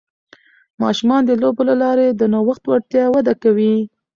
ماشومان د لوبو له لارې د نوښت وړتیا وده کوي.